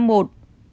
đà nẵng một